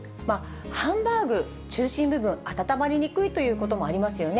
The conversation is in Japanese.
ハンバーグ、中心部分、温まりにくいということもありますよね。